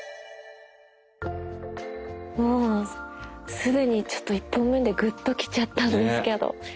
すでにちょっと１本目でグッときちゃったんですけど。